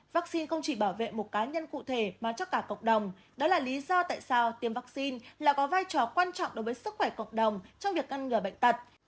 vaccine không chỉ bảo vệ một cá nhân cụ thể mà cho cả cộng đồng đó là lý do tại sao tiêm vaccine là có vai trò quan trọng đối với sức khỏe cộng đồng trong việc ngăn ngừa bệnh tật